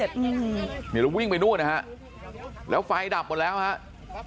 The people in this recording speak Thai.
เดี๋ยวเราวิ่งไปนู้นนะครับแล้วไฟฟ้าดับหมดแล้วครับ